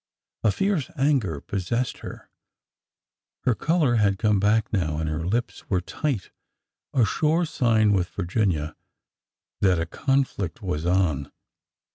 A fierce anger pos sessed her. Her color had come back now, and her lips were tight, a sure sign with Virginia that a conflict was on.